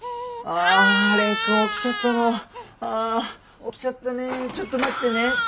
あ起きちゃったねちょっと待ってね。